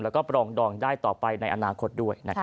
และก็ปล่องดองได้ต่อไปในอนาคตด้วยนะครับ